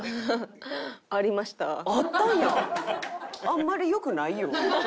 あんまりよくないよ。